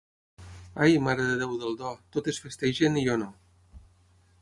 Ai, Mare de Déu del Do, totes festegen i jo no!